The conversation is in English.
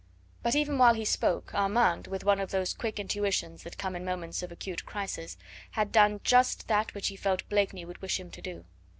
But even while he spoke Armand, with one of those quick intuitions that come in moments of acute crisis, had done just that which he felt Blakeney would wish him to do.